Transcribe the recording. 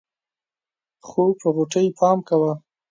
خو په غوټۍ پام کوه.